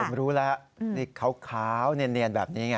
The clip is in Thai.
ผมรู้แล้วขาวเนียนแบบนี้